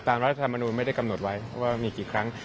รัฐธรรมนูลไม่ได้กำหนดไว้ว่ามีกี่ครั้ง